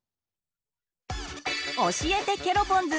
教えてケロポンズ！